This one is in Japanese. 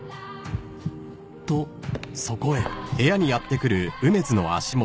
［とそこへ］